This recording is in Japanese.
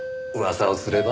噂をすれば。